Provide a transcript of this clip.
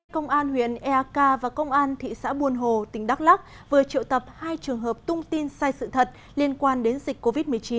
công an huyện eak và công an thị xã buôn hồ tỉnh đắk lắc vừa triệu tập hai trường hợp tung tin sai sự thật liên quan đến dịch covid một mươi chín